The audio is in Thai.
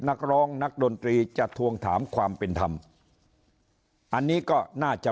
นักร้องนักดนตรีจะทวงถามความเป็นธรรมอันนี้ก็น่าจะ